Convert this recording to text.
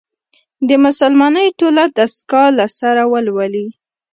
د «مسلمانۍ ټوله دستګاه» له سره ولولي.